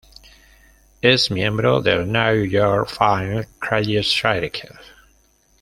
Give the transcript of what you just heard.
Es miembro del New York Film Critics Circle.